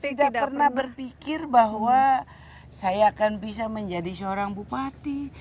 saya tidak pernah berpikir bahwa saya akan bisa menjadi seorang bupati